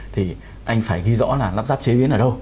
thì anh phải ghi rõ là lắp ráp chế biến ở đâu